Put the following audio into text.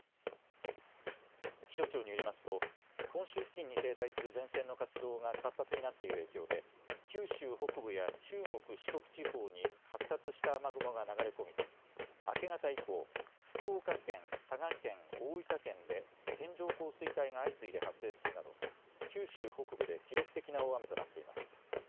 気象庁によりますと本州付近に停滞する前線の活動が活発になっている影響で九州北部や中国、四国地方に発達した雨雲が流れ込み明け方以降、福岡県、佐賀県、大分県で線状降水帯が相次いで発生するなど九州北部で記録的な大雨となっています。